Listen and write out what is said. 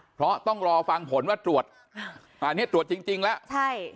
เพราะต้องรอฟังผลว่าตรวจอันนี้ตรวจจริงแล้วใช่